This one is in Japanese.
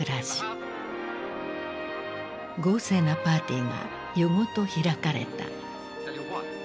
豪勢なパーティーが夜ごと開かれた。